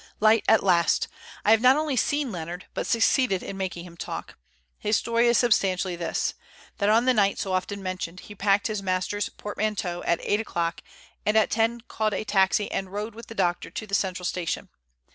Light at last. I have not only seen Leonard, but succeeded in making him talk. His story is substantially this: That on the night so often mentioned, he packed his master's portmanteau at eight o'clock and at ten called a taxi and rode with the doctor to the Central station.